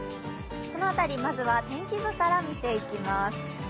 そのあたりまずは天気図から見ていきます。